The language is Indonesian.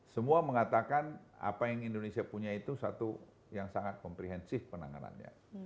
semua mengatakan apa yang indonesia punya itu satu yang sangat komprehensif penanganannya